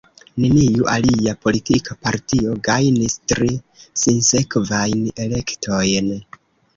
Neniu alia politika partio gajnis tri sinsekvajn elektojn.